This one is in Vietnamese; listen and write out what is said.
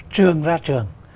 trường ra trường